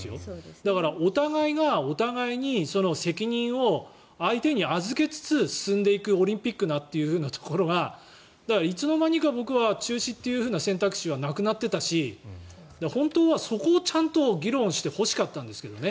だから、お互いがお互いにその責任を相手に預けつつ進んでいくオリンピックというところがいつの間にか僕は中止という選択肢はなくなっていたし本当はそこをちゃんと議論してほしかったんですけどね。